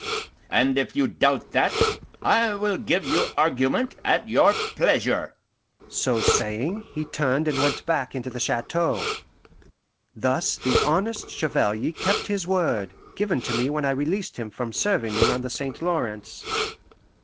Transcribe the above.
And if you doubt that, I will give you argument at your pleasure;" so saying, he turned and went back into the chateau. Thus the honest Chevalier kept his word, given to me when I released him from serving me on the St. Lawrence.